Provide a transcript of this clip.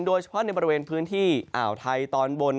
โดยเฉพาะในบริเวณพื้นที่อ่าวไทยตอนบน